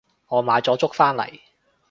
我買咗粥返嚟